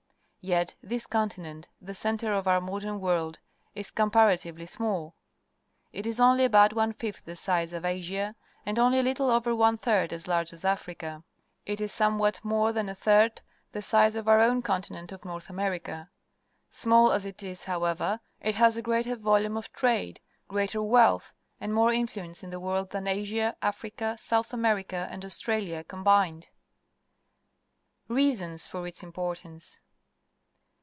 Yet this continent, the centre of our modern world, is comparatively small. It is only about one fifth the size of Asia, and only a little over one third as large as Africa. It is somewhat more than a third the size of our own continent of North America. Small as it is, however, it has a greater volume of trade, greater wealth, and more influence in the world than Asia, Africa, South Ameri ca, and Australia combined. Reasons for its Importance.